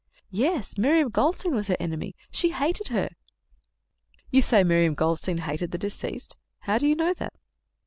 "Yes. Miriam Goldstein was her enemy. She hated her." "You say Miriam Goldstein hated the deceased. How do you know that?"